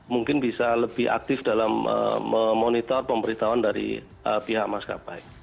mungkin bisa lebih aktif dalam memonitor pemberitahuan dari pihak maskapai